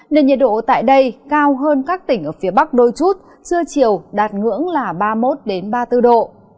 nền nhiệt độ tại đây cao hơn các tỉnh ở phía bắc đôi chút trưa chiều đạt ngưỡng là ba mươi một ba mươi bốn độ